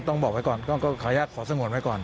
บอกไว้ก่อนก็ขออนุญาตขอสงวนไว้ก่อน